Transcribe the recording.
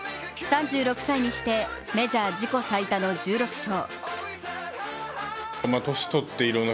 ３６歳にしてメジャー自己最多の１６勝。